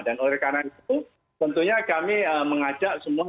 dan oleh karena itu tentunya kami mengajak semua